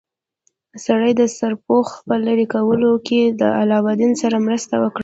سړي د سرپوښ په لرې کولو کې له علاوالدین سره مرسته وکړه.